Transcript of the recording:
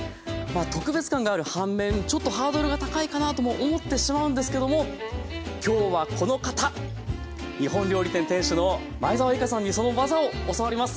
特別感がある反面ちょっとハードルが高いかなとも思ってしまうんですけども今日はこの方日本料理店店主の前沢リカさんにその技を教わります。